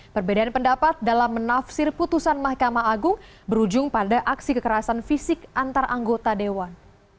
perbedaan pendapat dalam menafsir putusan mahkamah agung berujung pada aksi kekerasan fisik antar anggota dewan